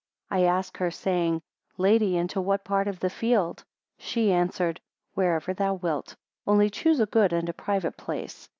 4 I asked her, saying; Lady, into what part of the field? She answered, wherever thou wilt, only choose a good and a private place.